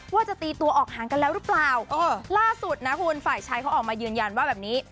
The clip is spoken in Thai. ว่าจะตีตัวออกห่างกันแล้วหรือเปล่าเออล่าสุดนะคุณฝ่ายชายเขาออกมายืนยันว่าแบบนี้